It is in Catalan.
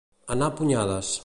Anar a punyades.